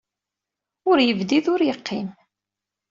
Ur yebdid, ur yeqqim.